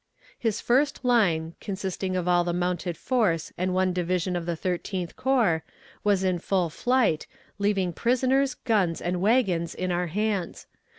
His first line, consisting of all the mounted force and one division of the Thirteenth Corps, was in full flight, leaving prisoners, guns, and wagons in our hands.